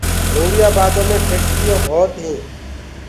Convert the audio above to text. نوريآ بآدو مي ڦيڪٽريونٚ ڀوت هينٚ